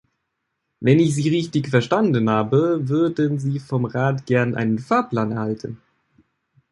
Wenn ich Sie richtig verstanden habe, würden Sie vom Rat gern einen Fahrplan erhalten.